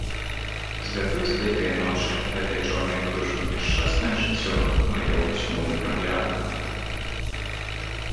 Звядуць гэтыя ночы, гэтыя чорныя птушкі няшчаснае жыццё маё ў цьму непраглядную!